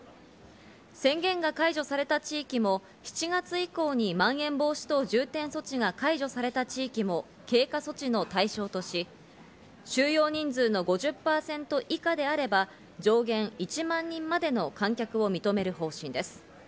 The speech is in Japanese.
宣言が解除された地域も７月以降にまん延防止等重点措置が解除された地域も経過措置の対象とし、収容人数の５０％以下であれば、上限１万人までの観客を認める方針です。